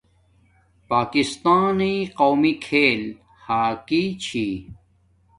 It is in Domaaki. پاکستانݵ قومی کھیل ھاکی چھی